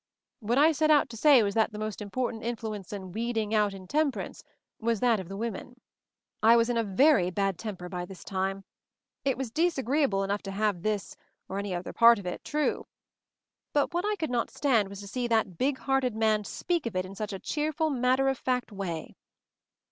What I set out to say was that the most important influence in weeding out intemperance was that of the women." I was in a very bad temper by this time, it was disagreeable enough to have this — or any other part of it, true ; but what I could not stand was to see that big hearted man speak of it in such a cheerful matter of fact way.